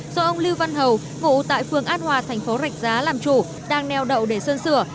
do ông lưu văn hầu ngụ tại phường an hòa thành phố rạch giá làm chủ đang neo đậu để sơn sửa